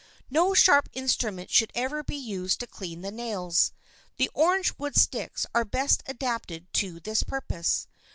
No sharp instrument should ever be used to clean the nails. The orange wood sticks are best adapted to this purpose.